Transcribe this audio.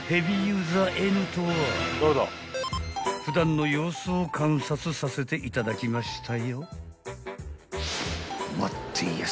［普段の様子を観察させていただきましたよ］